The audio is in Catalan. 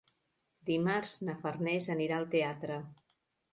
Dimarts na Farners anirà al teatre.